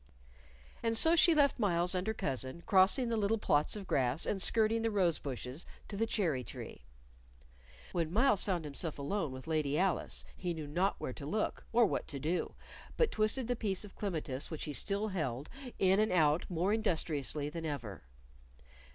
And so she left Myles and her cousin, crossing the little plots of grass and skirting the rosebushes to the cherry tree. When Myles found himself alone with Lady Alice, he knew not where to look or what to do, but twisted the piece of clematis which he still held in and out more industriously than ever.